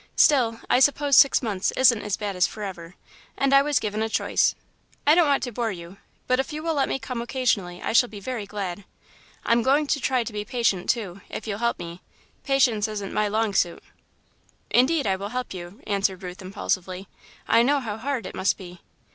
Still, I suppose six months isn't as bad as forever, and I was given a choice. I don't want to bore you, but if you will let me come occasionally, I shall be very glad. I'm going to try to be patient, too, if you'll help me patience isn't my long suit." "Indeed I will help you," answered Ruth, impulsively; "I know how hard it must be."